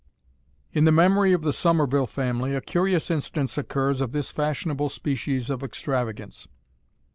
_ In the Memorie of the Somerville family, a curious instance occurs of this fashionable species of extravagance.